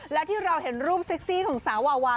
และที่เราเห็นรูปเซ็กซี่ของสาววาวา